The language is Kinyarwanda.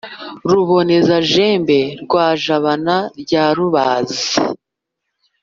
ruboneza-jembe rwa jabana rya rubazi